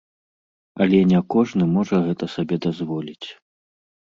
Але не кожны можа гэта сабе дазволіць.